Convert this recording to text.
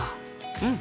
うん！